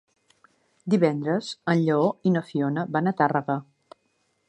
Divendres en Lleó i na Fiona van a Tàrrega.